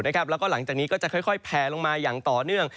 แล้วก็หลังจากนี้ก็จะค่อยแผลลงมาอย่างต่อเนื่อง